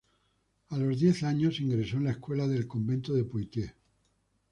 A los diez años, ingresó en la escuela del convento de Poitiers.